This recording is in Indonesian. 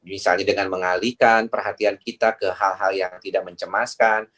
misalnya dengan mengalihkan perhatian kita ke hal hal yang tidak mencemaskan